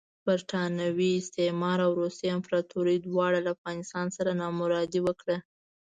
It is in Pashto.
برټانوي استعمار او روسي امپراطوري دواړو له افغانستان سره نامردي وکړه.